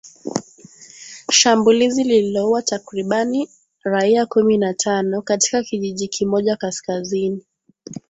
shambulizi lililoua takribani raia kumi na tano katika kijiji kimoja kaskazini